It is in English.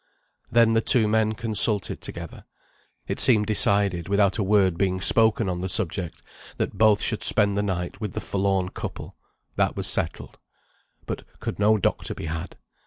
Then the two men consulted together. It seemed decided, without a word being spoken on the subject, that both should spend the night with the forlorn couple; that was settled. But could no doctor be had?